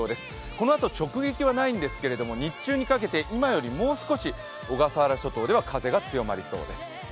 このあと、直撃はないんですが日中にかけて今よりもう少し小笠原諸島では風が強まりそうです。